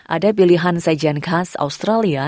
ada pilihan sajian khas australia